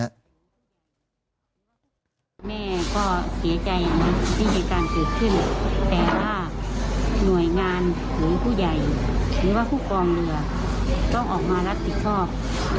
แม่ก็เสียใจนะที่เหตุการณ์เกิดขึ้นแต่ว่าหน่วยงานหรือผู้ใหญ่หรือว่าผู้กองเรือต้องออกมารับผิดชอบ